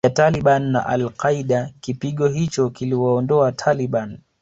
ya Taliban na Al Qaeda Kipigo hicho kiliwaondoa Taliban